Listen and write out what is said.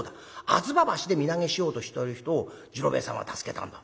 吾妻橋で身投げしようとしてる人を次郎兵衛さんは助けたんだ。